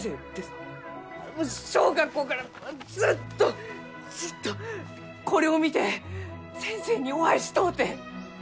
わし小学校からずっとずっとこれを見て先生にお会いしとうて！